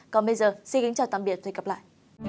còn bây giờ xin kính chào tạm biệt và hẹn gặp lại